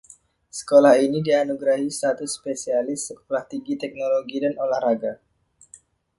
Sekolah ini dianugerahi status spesialis Sekolah Tinggi Teknologi dan Olahraga.